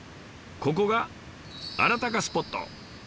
ここがあらたかスポット！